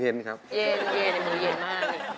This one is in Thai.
เย็นมือเย็นมาก